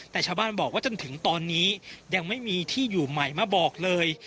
แต่ชาวบ้านบอกว่าจนถึงตอนนี้ยังไม่มีที่อยู่ใหม่มาบอกเลย